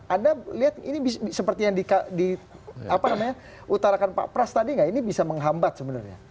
anda lihat ini seperti yang di apa namanya utarakan pak pras tadi nggak ini bisa menghambat sebenarnya